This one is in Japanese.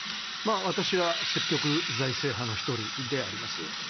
私は積極財政派の１人であります。